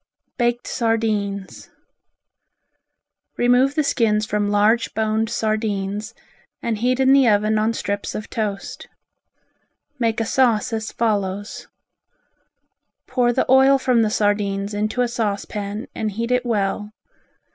Baked Sardines Remove the skins from large boned sardines and heat in the oven on strips of toast. Make a sauce as follows: Pour the oil from the sardines into a saucepan and heat it well.